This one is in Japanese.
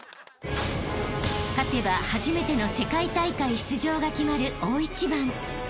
［勝てば初めての世界大会出場が決まる大一番］